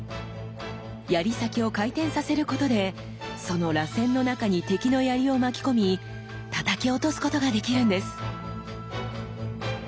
槍先を回転させることでそのらせんの中に敵の槍を巻き込みたたき落とすことができるんです！